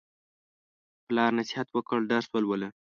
پلار نصیحت وکړ: درس ولوله.